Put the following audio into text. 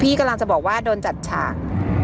พี่กำลังจะบอกว่าโดนจัดฉาก